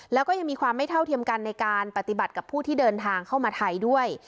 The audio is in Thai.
แล้วก็ยังมีความไม่เท่าเทียมกันในการปฏิบัติกับผู้ที่เดินทางเข้ามาไทยด้วย